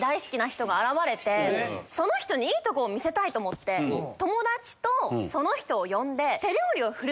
その人にいいとこを見せたいと思って友達とその人を呼んで。